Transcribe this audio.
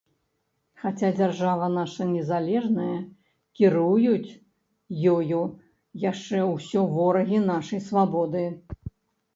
Хаця дзяржава наша незалежная, кіруюць ёю яшчэ ўсё ворагі нашай свабоды.